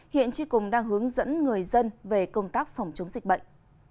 hiện tri cùng đang hướng dẫn người dân về công tác phòng chống dịch bệnh